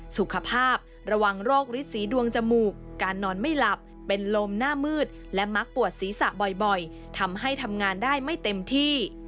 สุขภาพระวังโรคฤทธสีดวงจมูกการนอนไม่หลับเป็นลมหน้ามืดและมักปวดศีรษะบ่อยทำให้ทำงานได้ไม่เต็มที่